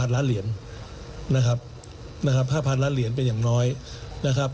ล้านเหรียญนะครับนะครับ๕๐๐ล้านเหรียญเป็นอย่างน้อยนะครับ